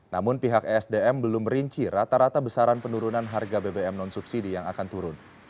namun pihak esdm belum rinci rata rata besaran penurunan harga bbm non subsidi yang akan turun